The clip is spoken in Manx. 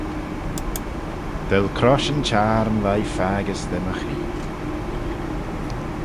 D'el crosh yn Chiarn lhie faggys da my chree.